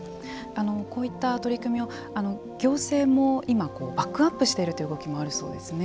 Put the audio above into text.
こういった取り組みを行政も今バックアップしているという動きもあるそうですね。